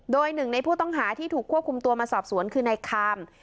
โดยหนึ่งในผู้ต้องหาที่ถูกควบคุมตัวมาสอบสวนคือในคาม